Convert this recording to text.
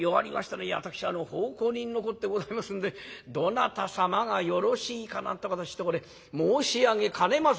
いえ私奉公人のこってございますんでどなた様がよろしいかなんてことちょっとこれ申し上げかねます」。